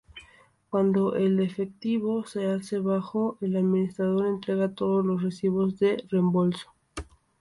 Cuando el efectivo se hace bajo, el administrador entrega todos los recibos de reembolso.